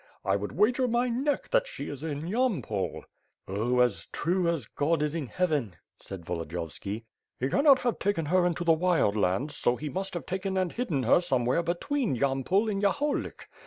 I would wager my neck that she is in Yampol/^ "Oh, as true as God is in Heaven,'^ said Volodiyovski. "He cannot have taken her into the Wild Lands, so he must have taken and hidden her somewhere between Yampol and Yahorlik.